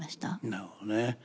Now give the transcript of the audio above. なるほどね。